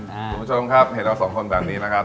คุณผู้ชมครับเห็นเราสองคนแบบนี้นะครับ